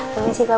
terima kasih pak